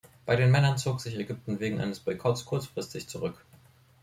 Bei den Männern zog sich Ägypten wegen eines Boykotts kurzfristig zurück.